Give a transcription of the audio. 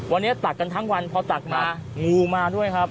วันนี้ตักกันทั้งวันพอตักมางูมาด้วยครับ